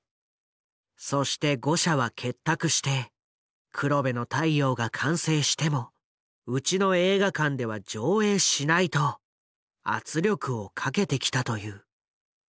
そして５社は結託して「『黒部の太陽』が完成してもうちの映画館では上映しない」と圧力をかけてきたという。